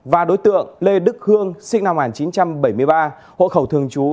và đối tượng lê đức hương sinh năm một nghìn chín trăm bảy mươi ba hộ khẩu thường trú